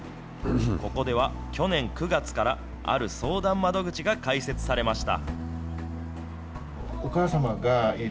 ここでは去年９月から、ある相談窓口が開設されました。